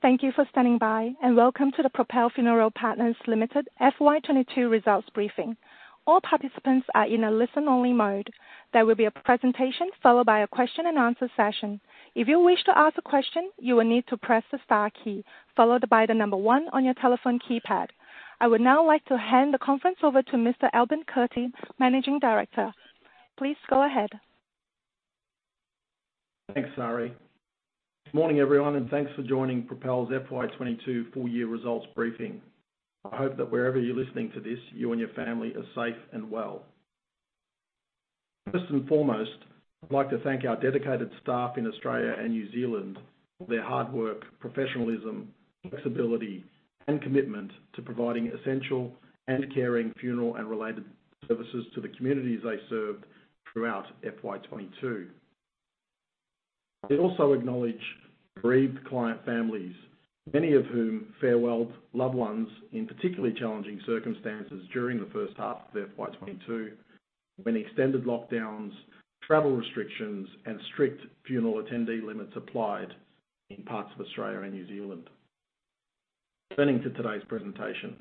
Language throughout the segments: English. Thank you for standing by, and welcome to the Propel Funeral Partners Limited FY 22 results briefing. All participants are in a listen-only mode. There will be a presentation followed by a question-and-answer session. If you wish to ask a question, you will need to press the star key followed by the number one on your telephone keypad. I would now like to hand the conference over to Mr. Albin Kurti, Managing Director. Please go ahead. Thanks, Sari. Good morning, everyone, and thanks for joining Propel's FY 22 full-year results briefing. I hope that wherever you're listening to this, you and your family are safe and well. First and foremost, I'd like to thank our dedicated staff in Australia and New Zealand for their hard work, professionalism, flexibility, and commitment to providing essential and caring funeral and related services to the communities they served throughout FY 22. I also acknowledge bereaved client families, many of whom farewelled loved ones in particularly challenging circumstances during the first half of FY 22, when extended lockdowns, travel restrictions, and strict funeral attendee limits applied in parts of Australia and New Zealand. Turning to today's presentation.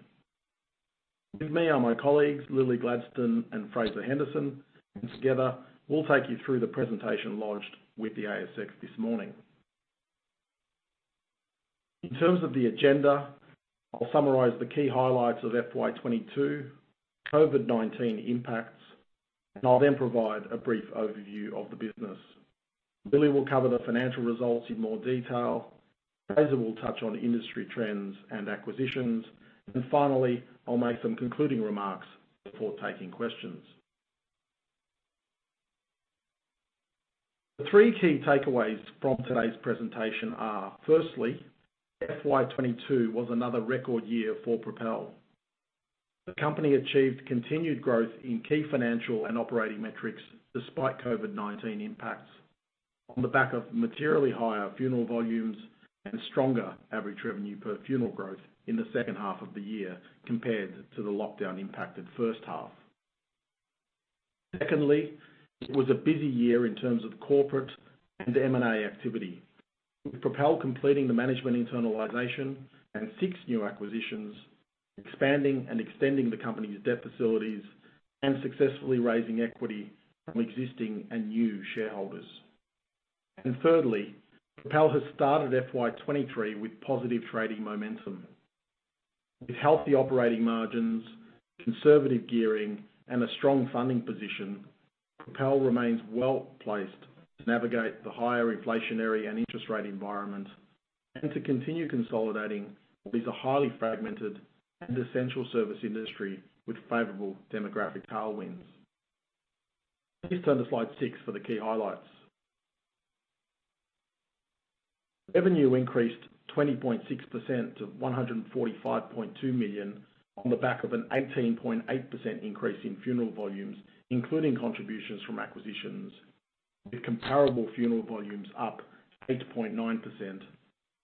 With me are my colleagues, Lilli Gladstone and Fraser Henderson, and together we'll take you through the presentation launched with the ASX this morning. In terms of the agenda, I'll summarize the key highlights of FY 2022, COVID-19 impacts, and I'll then provide a brief overview of the business. Lilli will cover the financial results in more detail. Fraser will touch on industry trends and acquisitions. Finally, I'll make some concluding remarks before taking questions. The three key takeaways from today's presentation are, firstly, FY 2022 was another record year for Propel. The company achieved continued growth in key financial and operating metrics despite COVID-19 impacts on the back of materially higher funeral volumes and stronger average revenue per funeral growth in the second half of the year compared to the lockdown-impacted first half. Secondly, it was a busy year in terms of corporate and M&A activity, with Propel completing the management internalization and six new acquisitions, expanding and extending the company's debt facilities, and successfully raising equity from existing and new shareholders. Thirdly, Propel has started FY 2023 with positive trading momentum. With healthy operating margins, conservative gearing, and a strong funding position, Propel remains well-placed to navigate the higher inflationary and interest rate environment, and to continue consolidating what is a highly fragmented and essential service industry with favorable demographic tailwinds. Please turn to slide six for the key highlights. Revenue increased 20.6% to 145.2 million on the back of an 18.8% increase in funeral volumes, including contributions from acquisitions, with comparable funeral volumes up 8.9%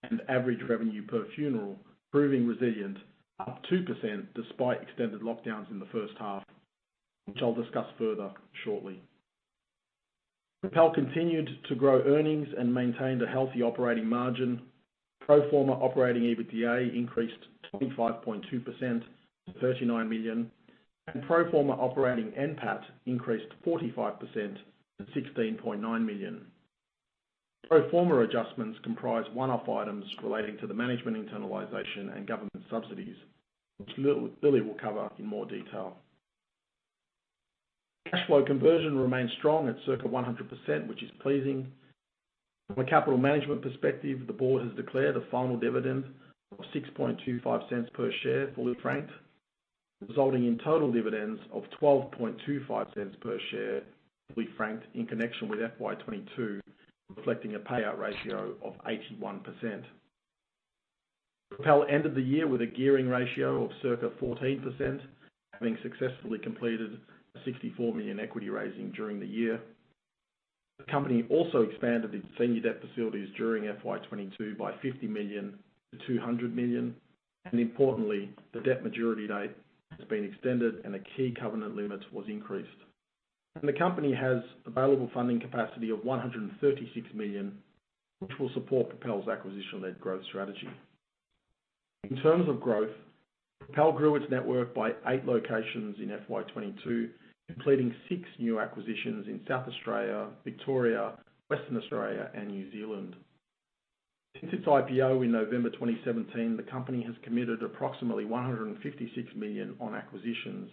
and average revenue per funeral proving resilient, up 2% despite extended lockdowns in the first half, which I'll discuss further shortly. Propel continued to grow earnings and maintained a healthy operating margin. Pro forma operating EBITDA increased 25.2% to 39 million, and pro forma operating NPAT increased 45% to 16.9 million. Pro forma adjustments comprise one-off items relating to the management internalization and government subsidies, which Lilli will cover in more detail. Cash flow conversion remains strong at circa 100%, which is pleasing. From a capital management perspective, the board has declared a final dividend of 0.0625 per share, fully franked, resulting in total dividends of 0.1225 per share, fully franked, in connection with FY 2022, reflecting a payout ratio of 81%. Propel ended the year with a gearing ratio of circa 14%, having successfully completed a 64 million equity raising during the year. The company also expanded its senior debt facilities during FY 22 by 50 million to 200 million, and importantly, the debt maturity date has been extended, and a key covenant limit was increased. The company has available funding capacity of 136 million, which will support Propel's acquisition-led growth strategy. In terms of growth, Propel grew its network by 8 locations in FY 22, completing six new acquisitions in South Australia, Victoria, Western Australia, and New Zealand. Since its IPO in November 2017, the company has committed approximately 156 million on acquisitions.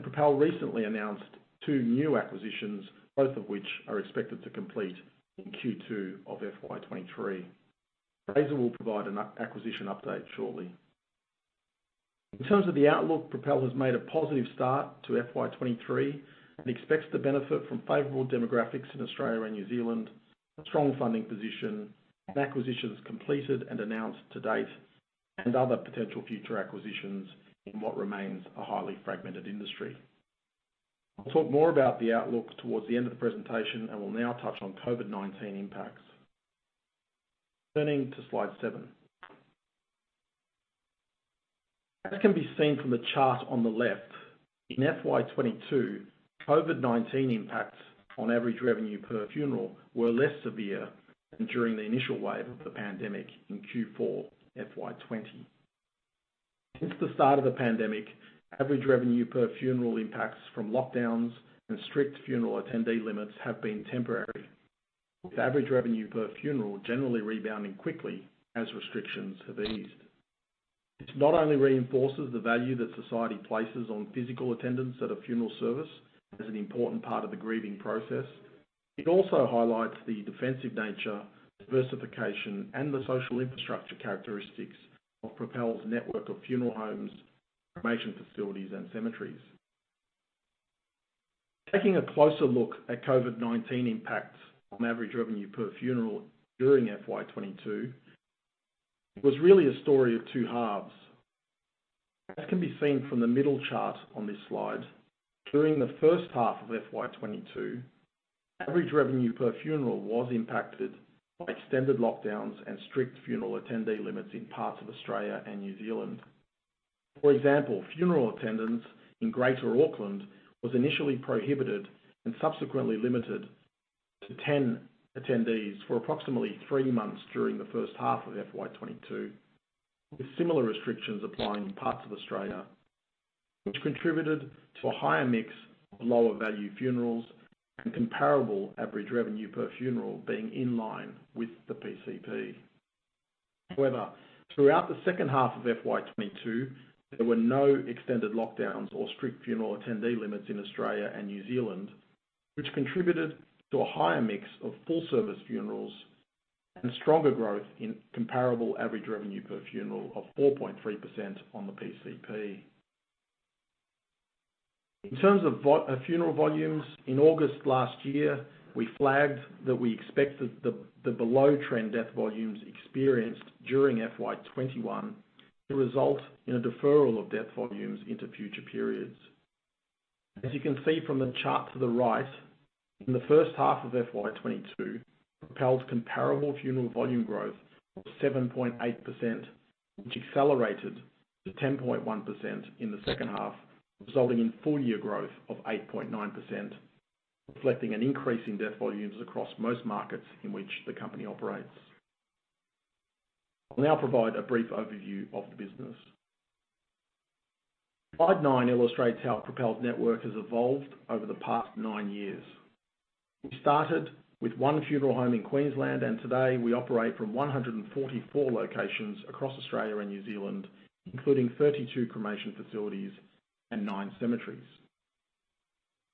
Propel recently announced two new acquisitions, both of which are expected to complete in Q2 of FY 23. Fraser will provide an acquisition update shortly. In terms of the outlook, Propel has made a positive start to FY 2023 and expects to benefit from favorable demographics in Australia and New Zealand, a strong funding position, and acquisitions completed and announced to date, and other potential future acquisitions in what remains a highly fragmented industry. I'll talk more about the outlook towards the end of the presentation, and we'll now touch on COVID-19 impacts. Turning to slide seven. That can be seen from the chart on the left. In FY 2022, COVID-19 impacts on average revenue per funeral were less severe than during the initial wave of the pandemic in Q4 FY 2020. Since the start of the pandemic, average revenue per funeral impacts from lockdowns and strict funeral attendee limits have been temporary, with average revenue per funeral generally rebounding quickly as restrictions have eased. This not only reinforces the value that society places on physical attendance at a funeral service as an important part of the grieving process, it also highlights the defensive nature, diversification, and the social infrastructure characteristics of Propel's network of funeral homes, cremation facilities and cemeteries. Taking a closer look at COVID-19 impacts on average revenue per funeral during FY 22, it was really a story of two halves. As can be seen from the middle chart on this slide, during the first half of FY 22, average revenue per funeral was impacted by extended lockdowns and strict funeral attendee limits in parts of Australia and New Zealand. For example, funeral attendance in Greater Auckland was initially prohibited and subsequently limited to 10 attendees for approximately three months during the first half of FY 2022, with similar restrictions applying in parts of Australia, which contributed to a higher mix of lower value funerals and comparable average revenue per funeral being in line with the PCP. However, throughout the second half of FY 2022, there were no extended lockdowns or strict funeral attendee limits in Australia and New Zealand, which contributed to a higher mix of full service funerals and stronger growth in comparable average revenue per funeral of 4.3% on the PCP. In terms of funeral volumes, in August last year, we flagged that we expected the below trend death volumes experienced during FY 2021 to result in a deferral of death volumes into future periods. As you can see from the chart to the right, in the first half of FY 2022, Propel's comparable funeral volume growth of 7.8%, which accelerated to 10.1% in the second half, resulting in full year growth of 8.9%, reflecting an increase in death volumes across most markets in which the company operates. I'll now provide a brief overview of the business. Slide nine illustrates how Propel's network has evolved over the past nine years. We started with one funeral home in Queensland, and today we operate from 144 locations across Australia and New Zealand, including 32 cremation facilities and nine cemeteries.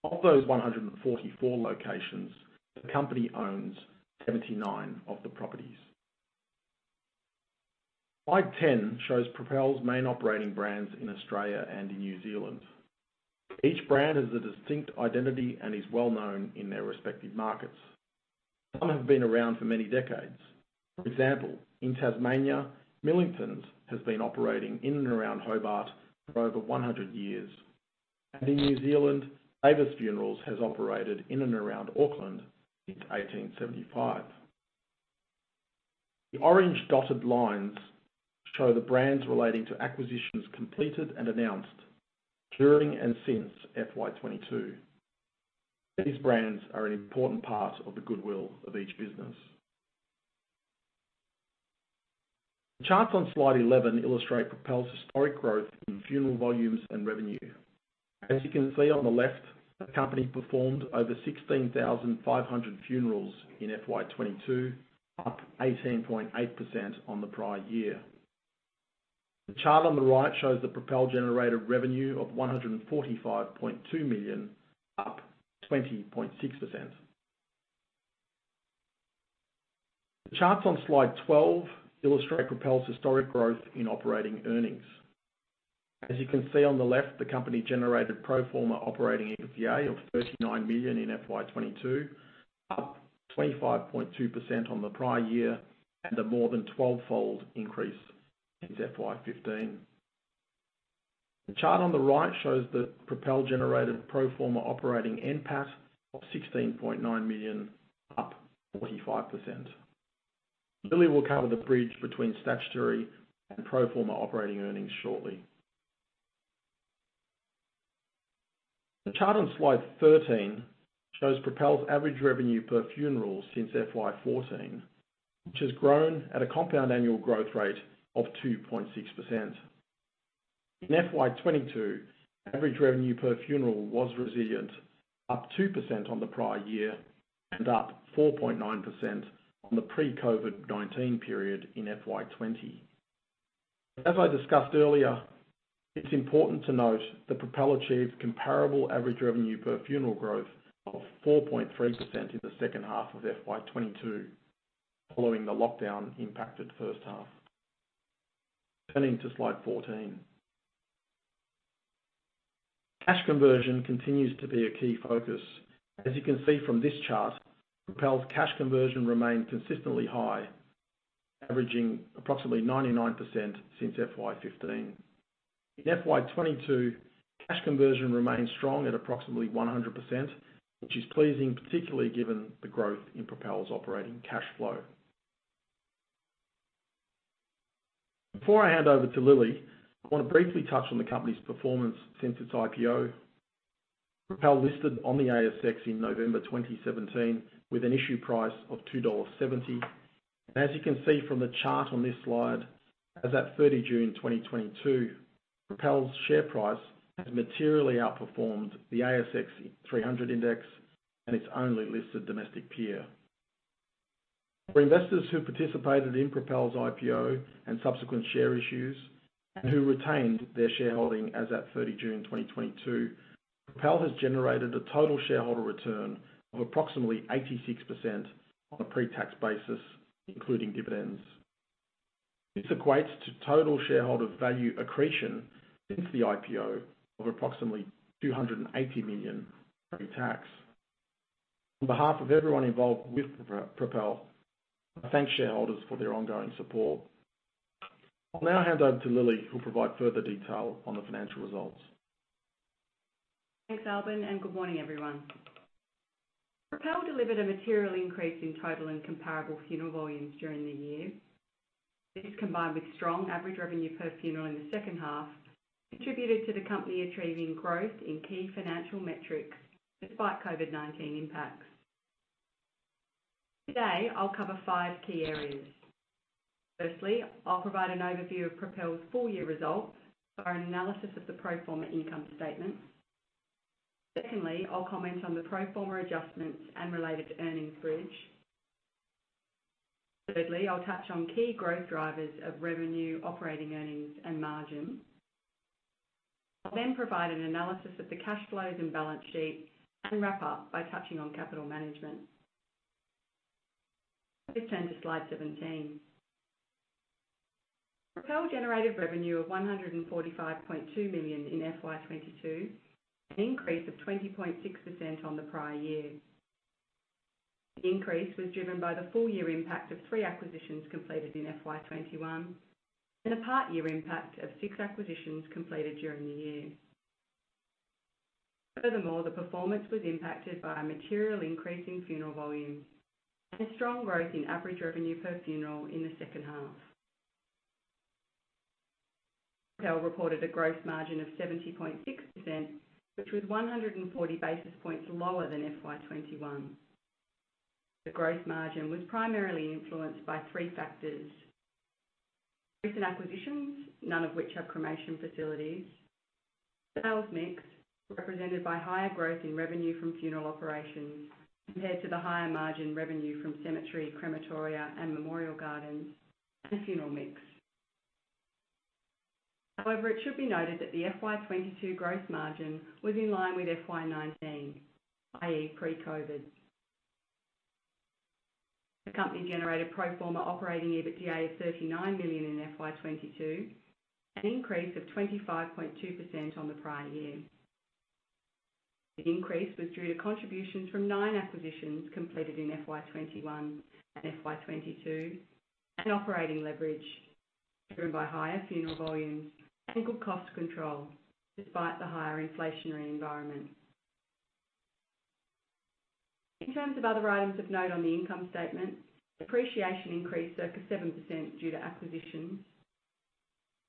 Of those 144 locations, the company owns 79 of the properties. Slide ten shows Propel's main operating brands in Australia and in New Zealand. Each brand has a distinct identity and is well known in their respective markets. Some have been around for many decades. For example, in Tasmania, Millingtons has been operating in and around Hobart for over 100 years. In New Zealand, Davis Funerals has operated in and around Auckland since 1875. The orange dotted lines show the brands relating to acquisitions completed and announced during and since FY 2022. These brands are an important part of the goodwill of each business. The charts on slide 11 illustrate Propel's historic growth in funeral volumes and revenue. As you can see on the left, the company performed over 16,500 funerals in FY 2022, up 18.8% on the prior year. The chart on the right shows that Propel generated revenue of 145.2 million, up 20.6%. The charts on slide 12 illustrate Propel's historic growth in operating earnings. As you can see on the left, the company generated pro forma operating EBITDA of 39 million in FY 2022, up 25.2% on the prior year and a more than 12-fold increase since FY 2015. The chart on the right shows that Propel generated pro forma operating NPAT of 16.9 million, up 45%. Lilli will cover the bridge between statutory and pro forma operating earnings shortly. The chart on slide 13 shows Propel's average revenue per funeral since FY 2014, which has grown at a compound annual growth rate of 2.6%. In FY 2022, average revenue per funeral was resilient, up 2% on the prior year and up 4.9% on the pre-COVID-19 period in FY 2020. As I discussed earlier, it's important to note that Propel achieved comparable average revenue per funeral growth of 4.3% in the second half of FY 2022, following the lockdown impacted first half. Turning to slide 14. Cash conversion continues to be a key focus. As you can see from this chart, Propel's cash conversion remained consistently high, averaging approximately 99% since FY 2015. In FY 2022, cash conversion remained strong at approximately 100%, which is pleasing, particularly given the growth in Propel's operating cash flow. Before I hand over to Lilli, I wanna briefly touch on the company's performance since its IPO. Propel listed on the ASX in November 2017, with an issue price of 2.70 dollars. As you can see from the chart on this slide, as at 30 June 2022, Propel's share price has materially outperformed the S&P/ASX 300 index, and its only listed domestic peer. For investors who participated in Propel's IPO and subsequent share issues, and who retained their shareholding as at 30 June 2022, Propel has generated a total shareholder return of approximately 86% on a pre-tax basis, including dividends. This equates to total shareholder value accretion since the IPO of approximately 280 million pre-tax. On behalf of everyone involved with Propel, I thank shareholders for their ongoing support. I'll now hand over to Lilli, who'll provide further detail on the financial results. Thanks, Albin, and good morning, everyone. Propel delivered a material increase in total and comparable funeral volumes during the year. This, combined with strong average revenue per funeral in the second half, contributed to the company achieving growth in key financial metrics despite COVID-19 impacts. Today, I'll cover five key areas. Firstly, I'll provide an overview of Propel's full-year results and an analysis of the pro forma income statement. Secondly, I'll comment on the pro forma adjustments and related earnings bridge. Thirdly, I'll touch on key growth drivers of revenue, operating earnings, and margin. I'll then provide an analysis of the cash flows and balance sheet, and wrap up by touching on capital management. Please turn to slide 17. Propel generated revenue of 145.2 million in FY 2022, an increase of 20.6% on the prior year. The increase was driven by the full-year impact of three acquisitions completed in FY 2021, and a part-year impact of six acquisitions completed during the year. Furthermore, the performance was impacted by a material increase in funeral volumes and a strong growth in average revenue per funeral in the second half. Propel reported a growth margin of 70.6%, which was 140 basis points lower than FY 2021. The growth margin was primarily influenced by three factors. Recent acquisitions, none of which have cremation facilities. Sales mix, represented by higher growth in revenue from funeral operations compared to the higher margin revenue from cemetery, crematoria, and memorial gardens. And funeral mix. However, it should be noted that the FY 2022 growth margin was in line with FY 2019, i.e., pre-COVID. The company generated pro forma operating EBITDA of 39 million in FY 2022, an increase of 25.2% on the prior year. The increase was due to contributions from nine acquisitions completed in FY 2021 and FY 2022, and operating leverage driven by higher funeral volumes and good cost control, despite the higher inflationary environment. In terms of other items of note on the income statement, depreciation increased circa 7% due to acquisitions.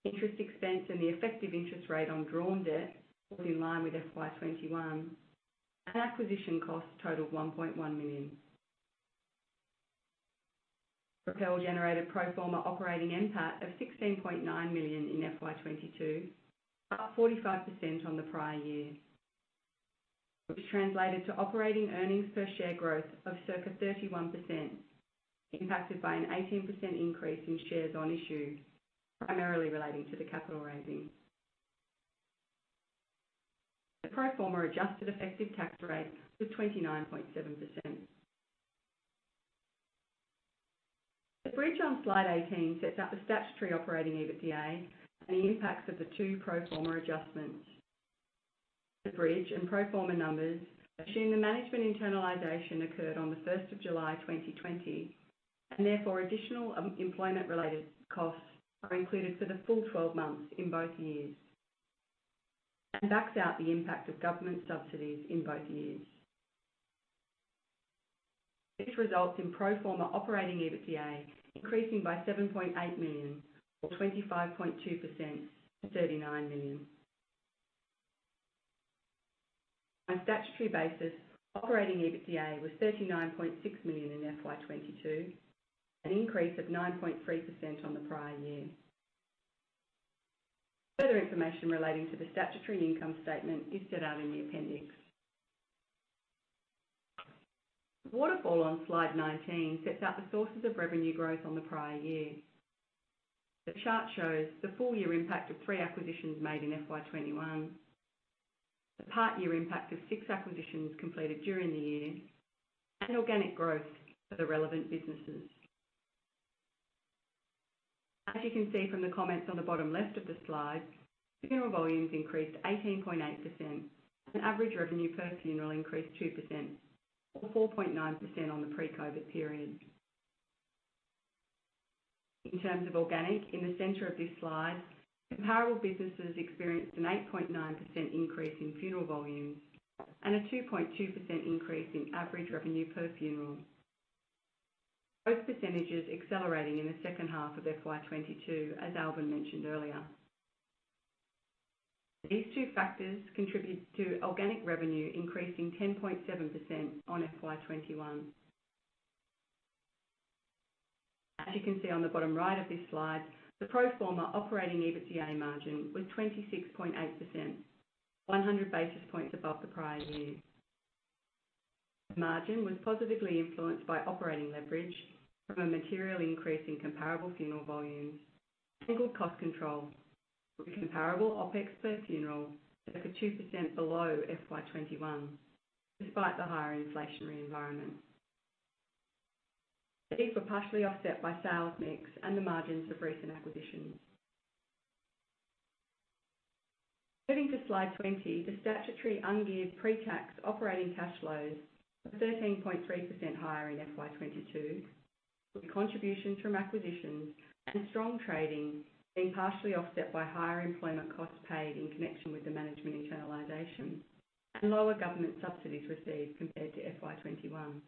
Interest expense and the effective interest rate on drawn debt was in line with FY 2021, and acquisition costs totaled AUD 1.1 million. Propel generated pro forma operating NPAT of 16.9 million in FY 2022, up 45% on the prior year, which translated to operating earnings per share growth of circa 31%, impacted by an 18% increase in shares on issue, primarily relating to the capital raising. The pro forma adjusted effective tax rate was 29.7%. The bridge on slide 18 sets out the statutory operating EBITDA and the impacts of the two pro forma adjustments. The bridge and pro forma numbers assume the management internalization occurred on the first of July 2020, and therefore additional employment-related costs are included for the full 12 months in both years, and backs out the impact of government subsidies in both years. This results in pro forma operating EBITDA increasing by 7.8 million or 25.2% to 39 million. On a statutory basis, operating EBITDA was 39.6 million in FY 2022, an increase of 9.3% on the prior year. Further information relating to the statutory income statement is set out in the appendix. The waterfall on slide 19 sets out the sources of revenue growth on the prior year. The chart shows the full-year impact of three acquisitions made in FY 2021, the part-year impact of six acquisitions completed during the year, and organic growth for the relevant businesses. As you can see from the comments on the bottom left of the slide, funeral volumes increased 18.8%, and average revenue per funeral increased 2%, or 4.9% on the pre-COVID period. In terms of organic, in the center of this slide, comparable businesses experienced an 8.9% increase in funeral volumes and a 2.2% increase in average revenue per funeral. Both percentages accelerating in the second half of FY 2022, as Albin mentioned earlier. These two factors contributed to organic revenue increasing 10.7% on FY 2021. As you can see on the bottom right of this slide, the pro forma operating EBITDA margin was 26.8%, 100 basis points above the prior year. Margin was positively influenced by operating leverage from a material increase in comparable funeral volumes and cost control, with comparable OPEX per funeral at 2% below FY 2021, despite the higher inflationary environment. These were partially offset by sales mix and the margins of recent acquisitions. Moving to slide 20, the statutory ungeared pre-tax operating cash flows were 13.3% higher in FY 2022, with contributions from acquisitions and strong trading being partially offset by higher employment costs paid in connection with the management internalization and lower government subsidies received compared to FY 2021.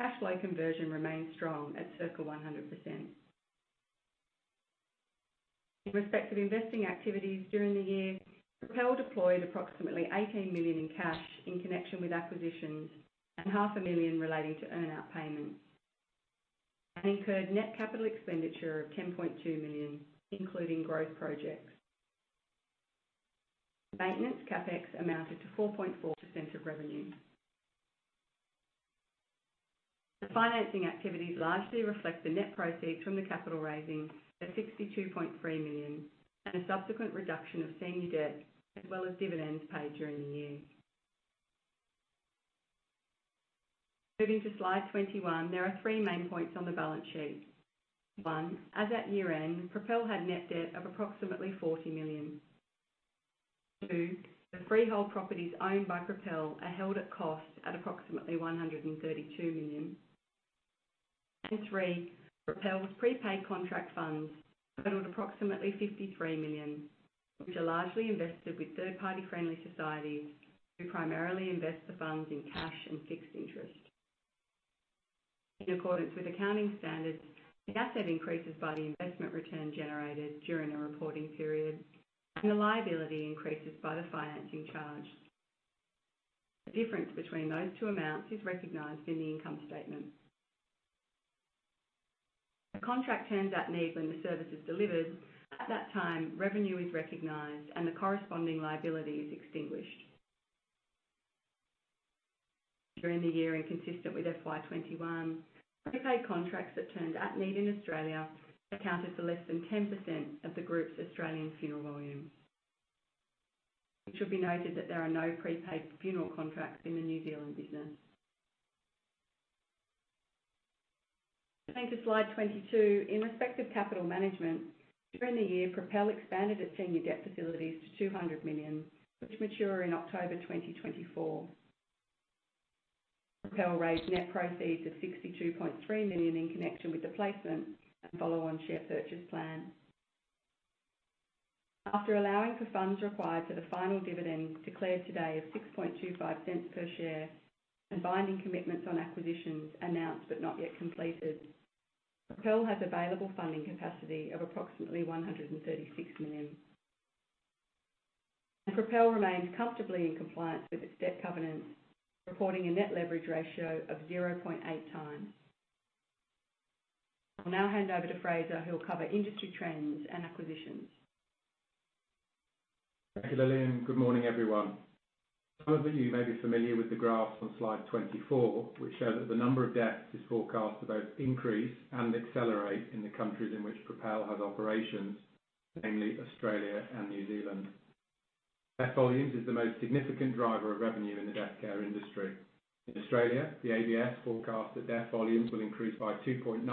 Cash flow conversion remains strong at circa 100%. In respect of investing activities during the year, Propel deployed approximately 18 million in cash in connection with acquisitions and half a million relating to earn-out payments, and incurred net capital expenditure of 10.2 million, including growth projects. Maintenance CapEx amounted to 4.4% of revenue. The financing activities largely reflect the net proceeds from the capital raising at 62.3 million and a subsequent reduction of senior debt, as well as dividends paid during the year. Moving to slide 21, there are three main points on the balance sheet. One, as at year-end, Propel had net debt of approximately 40 million. Two, the freehold properties owned by Propel are held at cost at approximately 132 million. Three, Propel's prepaid contract funds totaled approximately 53 million, which are largely invested with third-party friendly societies who primarily invest the funds in cash and fixed interest. In accordance with accounting standards, the asset increases by the investment return generated during a reporting period, and the liability increases by the financing charge. The difference between those two amounts is recognized in the income statement. The contract turns at need when the service is delivered. At that time, revenue is recognized and the corresponding liability is extinguished. During the year, inconsistent with FY 2021, prepaid contracts that turned at need in Australia accounted for less than 10% of the group's Australian funeral volumes. It should be noted that there are no prepaid funeral contracts in the New Zealand business. Turning to slide 22, in respect of capital management, during the year, Propel expanded its senior debt facilities to 200 million, which mature in October 2024. Propel raised net proceeds of 62.3 million in connection with the placement and follow-on share purchase plan. After allowing for funds required for the final dividend declared today of 0.0625 per share and binding commitments on acquisitions announced but not yet completed, Propel has available funding capacity of approximately 136 million. Propel remains comfortably in compliance with its debt covenants, reporting a net leverage ratio of 0.8 times. I'll now hand over to Fraser, who will cover industry trends and acquisitions. Thank you, Lilli. Good morning, everyone. Some of you may be familiar with the graphs on slide 24, which show that the number of deaths is forecast to both increase and accelerate in the countries in which Propel has operations, namely Australia and New Zealand. Death volumes is the most significant driver of revenue in the death care industry. In Australia, the ABS forecasts that death volumes will increase by 2.9%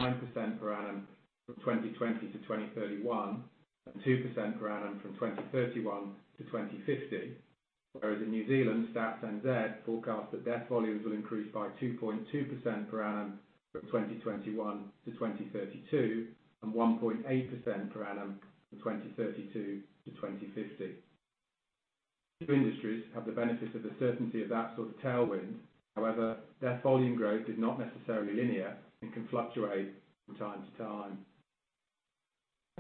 per annum from 2020 to 2031, and 2% per annum from 2031 to 2050. Whereas in New Zealand, Stats NZ forecast that death volumes will increase by 2.2% per annum from 2021 to 2032, and 1.8% per annum from 2032 to 2050. Both industries have the benefit of the certainty of that sort of tailwind. However, death volume growth is not necessarily linear and can fluctuate from time to time.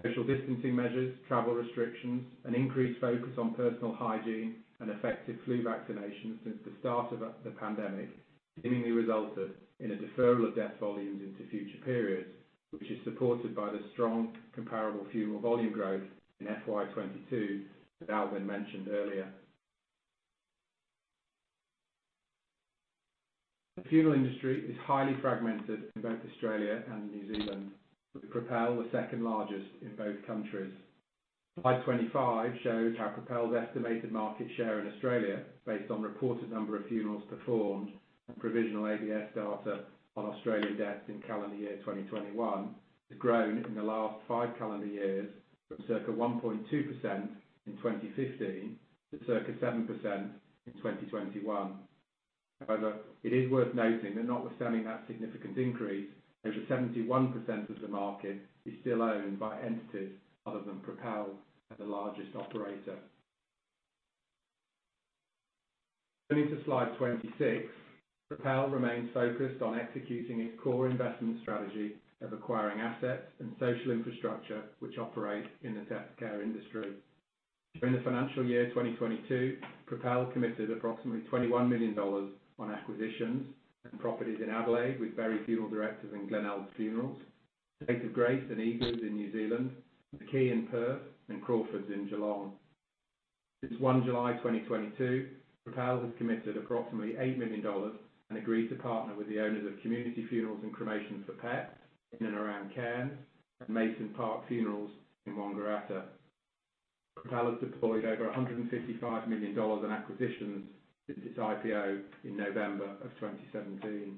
Social distancing measures, travel restrictions, an increased focus on personal hygiene, and effective flu vaccinations since the start of the pandemic seemingly resulted in a deferral of death volumes into future periods, which is supported by the strong comparable funeral volume growth in FY 2022 that Albin mentioned earlier. The funeral industry is highly fragmented in both Australia and New Zealand, with Propel the second largest in both countries. Slide 25 shows how Propel's estimated market share in Australia, based on reported number of funerals performed and provisional ABS data on Australian deaths in calendar year 2021, has grown in the last five calendar years from circa 1.2% in 2015 to circa 7% in 2021. However, it is worth noting that notwithstanding that significant increase, over 71% of the market is still owned by entities other than Propel as the largest operator. Turning to slide 26, Propel remains focused on executing its core investment strategy of acquiring assets and social infrastructure which operate in the death care industry. During the financial year 2022, Propel committed approximately 21 million dollars on acquisitions and properties in Adelaide with Berry Funeral Directors and Glenelg Funerals, State of Grace and Eagars in New Zealand, The Quay in Perth, and Crawfords in Geelong. Since 1 July 2022, Propel has committed approximately 8 million dollars and agreed to partner with the owners of Community Funerals and Cremation for Pets in and around Cairns and Mason Park Funerals in Wangaratta. Propel has deployed over 155 million dollars in acquisitions since its IPO in November 2017.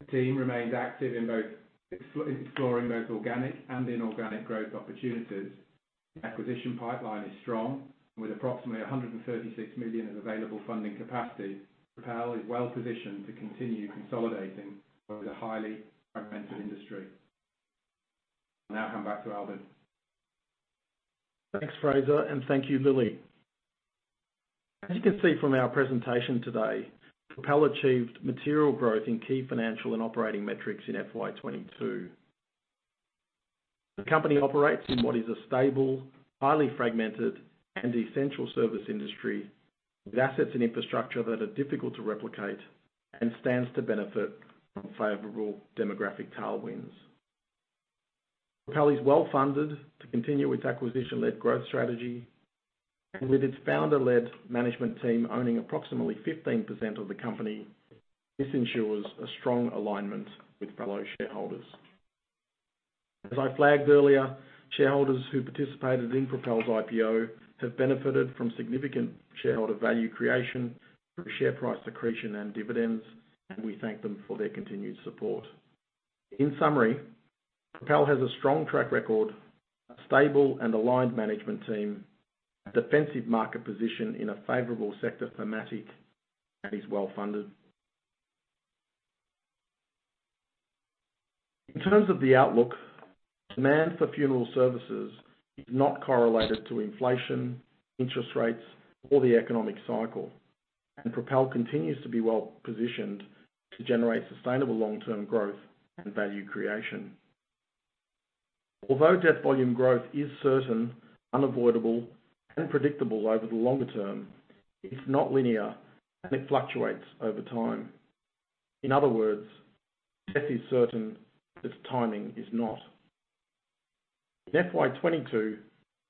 The team remains active in exploring both organic and inorganic growth opportunities. The acquisition pipeline is strong. With approximately 136 million in available funding capacity, Propel is well-positioned to continue consolidating what is a highly fragmented industry. I'll now come back to Albin Kurti. Thanks, Fraser, and thank you, Lilli. As you can see from our presentation today, Propel achieved material growth in key financial and operating metrics in FY 2022. The company operates in what is a stable, highly fragmented, and essential service industry, with assets and infrastructure that are difficult to replicate and stands to benefit from favorable demographic tailwinds. Propel is well-funded to continue its acquisition-led growth strategy. With its founder-led management team owning approximately 15% of the company, this ensures a strong alignment with fellow shareholders. As I flagged earlier, shareholders who participated in Propel's IPO have benefited from significant shareholder value creation through share price accretion and dividends, and we thank them for their continued support. In summary, Propel has a strong track record, a stable and aligned management team, a defensive market position in a favorable sector thematic, and is well-funded. In terms of the outlook, demand for funeral services is not correlated to inflation, interest rates, or the economic cycle, and Propel continues to be well-positioned to generate sustainable long-term growth and value creation. Although death volume growth is certain, unavoidable, and predictable over the longer term, it is not linear, and it fluctuates over time. In other words, death is certain, but the timing is not. In FY 2022,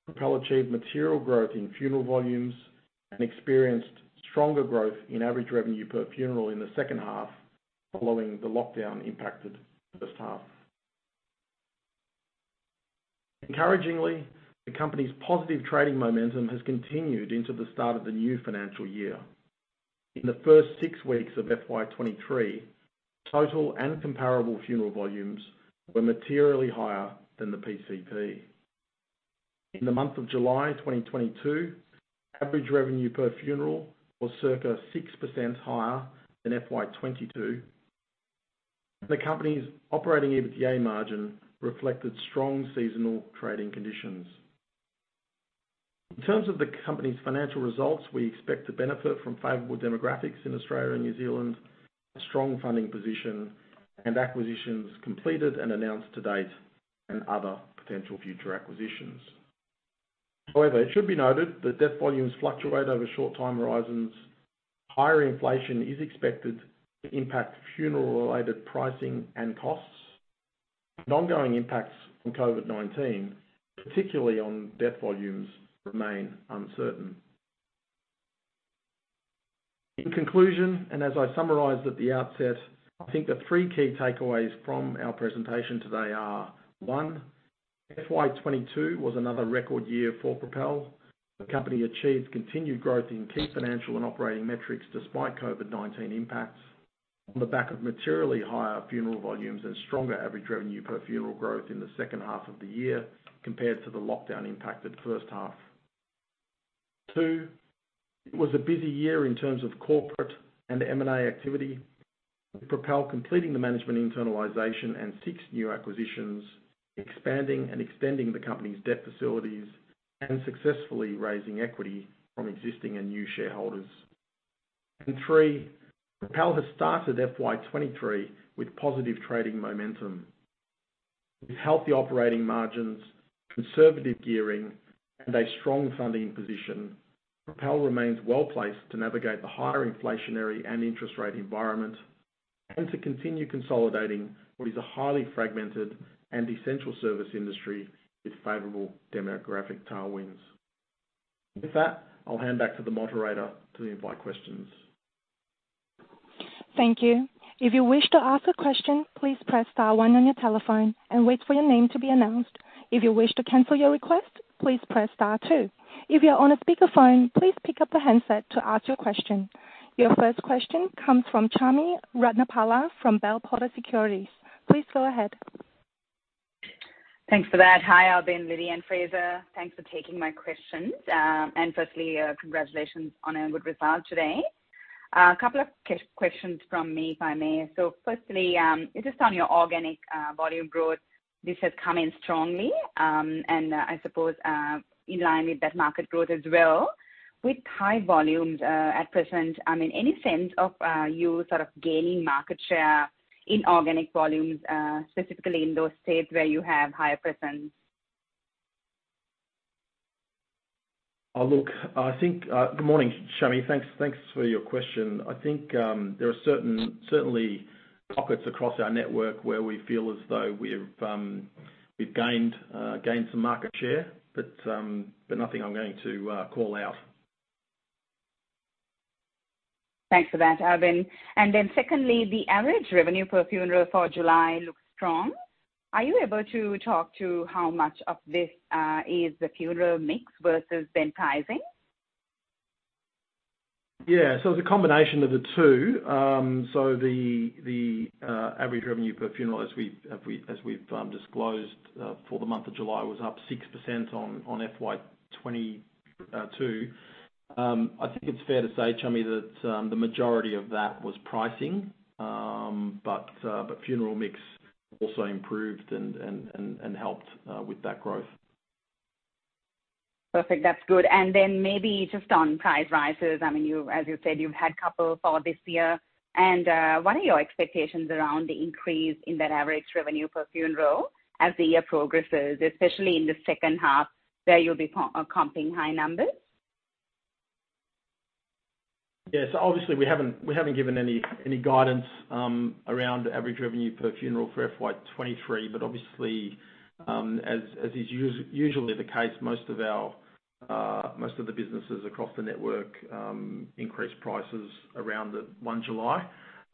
Propel achieved material growth in funeral volumes and experienced stronger growth in average revenue per funeral in the second half following the lockdown impacted first half. Encouragingly, the company's positive trading momentum has continued into the start of the new financial year. In the first six weeks of FY 2023, total and comparable funeral volumes were materially higher than the PCP. In the month of July 2022, average revenue per funeral was circa 6% higher than FY 2022. The company's operating EBITDA margin reflected strong seasonal trading conditions. In terms of the company's financial results, we expect to benefit from favorable demographics in Australia and New Zealand, a strong funding position, and acquisitions completed and announced to date, and other potential future acquisitions. However, it should be noted that death volumes fluctuate over short-time horizons. Higher inflation is expected to impact funeral-related pricing and costs. Ongoing impacts from COVID-19, particularly on death volumes, remain uncertain. In conclusion, and as I summarized at the outset, I think the three key takeaways from our presentation today are, one, FY 2022 was another record year for Propel. The company achieved continued growth in key financial and operating metrics despite COVID-19 impacts on the back of materially higher funeral volumes and stronger average revenue per funeral growth in the second half of the year compared to the lockdown-impacted first half. two, it was a busy year in terms of corporate and M&A activity, with Propel completing the management internalization and six new acquisitions, expanding and extending the company's debt facilities, and successfully raising equity from existing and new shareholders. three, Propel has started FY 2023 with positive trading momentum. With healthy operating margins, conservative gearing, and a strong funding position, Propel remains well-placed to navigate the higher inflationary and interest rate environment, and to continue consolidating what is a highly fragmented and essential service industry with favorable demographic tailwinds. With that, I'll hand back to the moderator to invite questions. Thank you. If you wish to ask a question, please press star one on your telephone and wait for your name to be announced. If you wish to cancel your request, please press star two. If you're on a speakerphone, please pick up the handset to ask your question. Your first question comes from Chami Ratnapala from Bell Potter Securities. Please go ahead. Thanks for that. Hi, Albin, Lilli, and Fraser. Thanks for taking my questions. Firstly, congratulations on a good result today. A couple of questions from me, if I may. Firstly, just on your organic volume growth. This has come in strongly, and I suppose in line with that market growth as well. With high volumes at present, I mean, any sense of you sort of gaining market share in organic volumes specifically in those states where you have higher presence? Good morning, Chami. Thanks for your question. I think there are certainly pockets across our network where we feel as though we've gained some market share, but nothing I'm going to call out. Thanks for that, Albin. Secondly, the average revenue per funeral for July looks strong. Are you able to talk to how much of this is the funeral mix versus pricing? Yeah. It's a combination of the two. The average revenue per funeral as we've disclosed for the month of July was up 6% on FY 2022. I think it's fair to say, Chami, that the majority of that was pricing. Funeral mix also improved and helped with that growth. Perfect. That's good. Maybe just on price rises. I mean, as you said, you've had a couple for this year. What are your expectations around the increase in that average revenue per funeral as the year progresses, especially in the second half, where you'll be comping high numbers? Yeah. Obviously, we haven't given any guidance around average revenue per funeral for FY 2023. Obviously, as is usually the case, most of the businesses across the network increase prices around 1 July.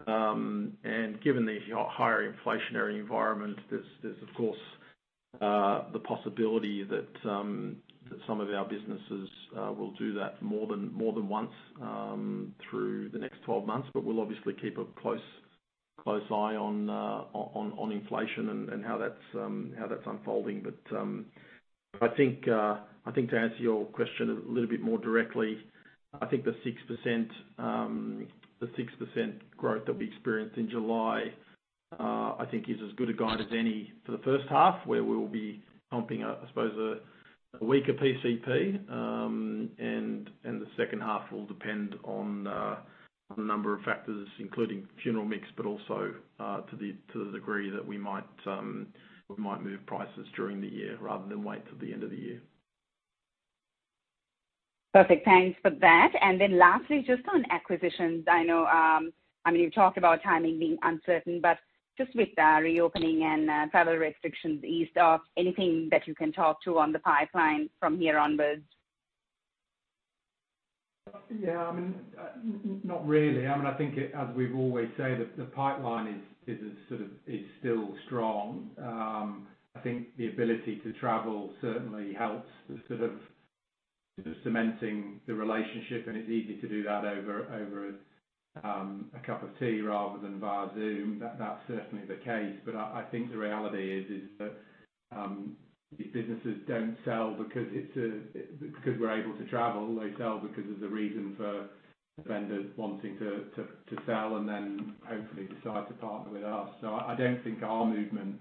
Given the higher inflationary environment, there's of course the possibility that some of our businesses will do that more than once through the next 12 months. We'll obviously keep a close eye on inflation and how that's unfolding. I think to answer your question a little bit more directly, I think the 6% growth that we experienced in July I think is as good a guide as any for the first half, where we will be comping I suppose a weaker PCP. And the second half will depend on a number of factors, including funeral mix, but also to the degree that we might move prices during the year rather than wait till the end of the year. Perfect. Thanks for that. Lastly, just on acquisitions. I know, I mean, you talked about timing being uncertain, but just with the reopening and travel restrictions eased off, anything that you can talk to on the pipeline from here onwards? Yeah. I mean, not really. I mean, I think, as we always say, the pipeline is still strong. I think the ability to travel certainly helps sort of cement the relationship, and it's easy to do that over a cup of tea rather than via Zoom. That's certainly the case. I think the reality is that these businesses don't sell because we're able to travel. They sell because there's a reason for vendors wanting to sell and then hopefully decide to partner with us. I don't think our movement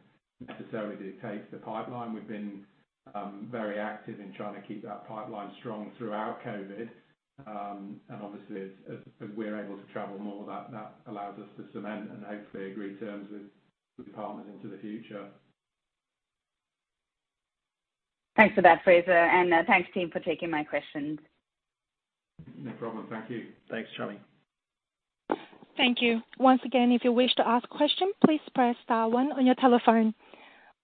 necessarily dictates the pipeline. We've been very active in trying to keep that pipeline strong throughout COVID. Obviously, as we're able to travel more, that allows us to cement and hopefully agree terms with partners into the future. Thanks for that, Fraser. Thanks team for taking my questions. No problem. Thank you. Thanks, Chami. Thank you. Once again, if you wish to ask question, please press star one on your telephone.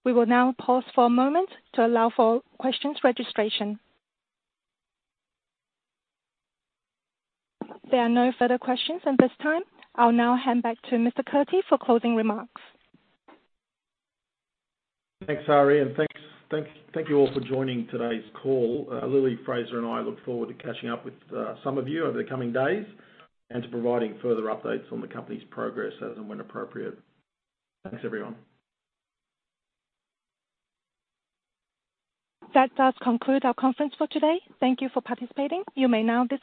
We will now pause for a moment to allow for questions registration. There are no further questions at this time. I'll now hand back to Mr. Kurti for closing remarks. Thanks, Ari, and thank you all for joining today's call. Lilli, Fraser, and I look forward to catching up with some of you over the coming days and to providing further updates on the company's progress as and when appropriate. Thanks, everyone. That does conclude our conference for today. Thank you for participating. You may now disconnect.